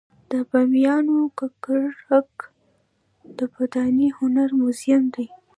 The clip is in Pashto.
د بامیانو ککرک د بودايي هنر موزیم دی